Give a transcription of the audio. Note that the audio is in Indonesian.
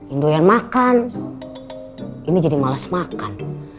indoyan makan ini jadi males makan